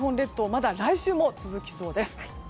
まだ来週も続きそうです。